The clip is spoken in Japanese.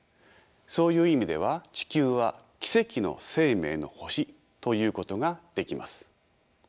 そういう意味では地球は奇跡の生命の星ということができます。